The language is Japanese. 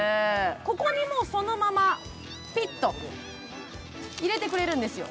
ここにもうそのままピッと入れてくれるんですよ